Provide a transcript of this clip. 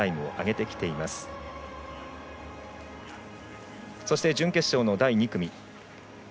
そして準決勝の第２組。